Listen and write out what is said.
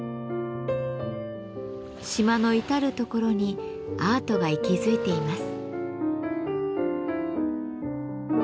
島の至る所にアートが息づいています。